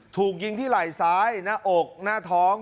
ถูกยิงที่ไหล่ซ้ายหน้าอกหน้าท้อง